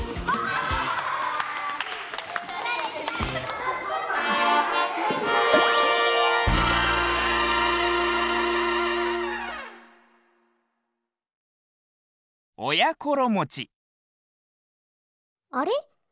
あれ？